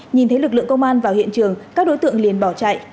nhìn thấy lực lượng công an vào hiện trường các đối tượng liền bỏ chạy